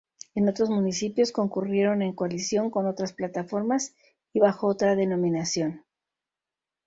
En otros municipios concurrieron en coalición con otras plataformas y bajo otra denominación.